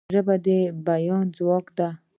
ژبه د بیان ځواک ده.